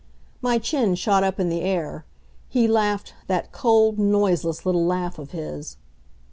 My chin shot up in the air. He laughed, that cold, noiseless little laugh of his.